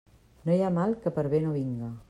No hi ha mal que per bé no vinga.